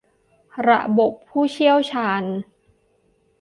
ระบบผู้เชี่ยวชาญ